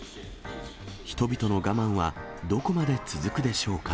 人々の我慢はどこまで続くでしょうか。